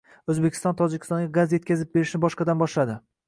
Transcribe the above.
O‘zbekiston Tojikistonga gaz yetkazib berishni qaytadan boshladi